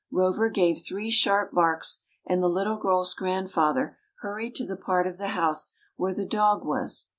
Rover gave three sharp barks, and the little girl's grandfather hurried to the part of the house where the dog was.